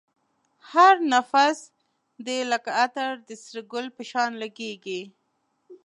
هر نفس دی لکه عطر د سره گل په شان لگېږی